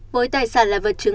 với tài sản là vật chứng